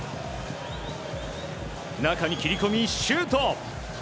中に切り込み、シュート。